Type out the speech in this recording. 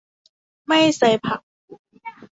ไม่ใส่ผัก